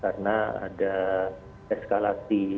karena ada eskalasi